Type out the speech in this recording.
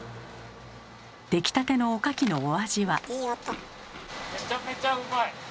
出来たてのおかきのお味は？